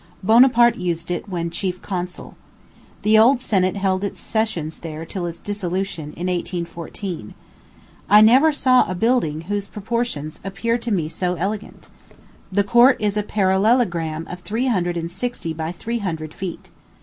Bonaparte used it when chief consul. The old senate held its sessions there till its dissolution, in 1814. I never saw a building whose proportions appeared to me so elegant. The court is a parallelogram of three hundred and sixty by three hundred feet.